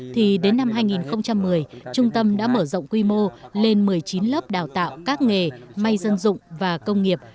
thì đến năm hai nghìn một mươi trung tâm đã mở rộng quy mô lên một mươi chín lớp đào tạo các nghề may dân dụng và công nghiệp